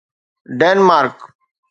Denmark